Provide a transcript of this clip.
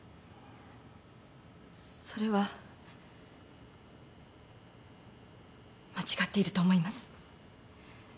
それは間違っていると思います。